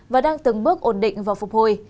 và đang từng bước ổn định vào phục hồi